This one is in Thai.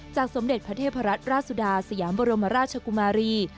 สมเด็จพระเทพรัตนราชสุดาสยามบรมราชกุมารี